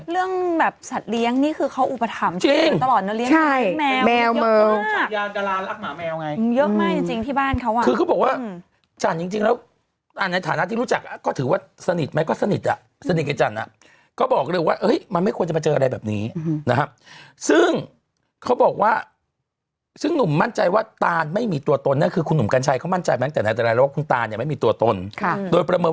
เรื่องแบบสัตว์เลี้ยงคือเขาอุปถัมธ์ที่เรียนตลอดเนาะเลี้ยงแมวคือเขาแยอกมาก